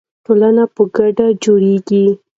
ټولنه په ګډه جوړیږي.